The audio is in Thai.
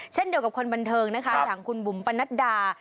เช่นเดียวกับคนบันเทิงนะคะอย่างคุณบุ๋มปนัดดา